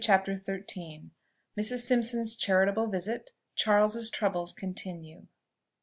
CHAPTER XIII. MRS. SIMPSON'S CHARITABLE VISIT. CHARLES'S TROUBLES CONTINUE.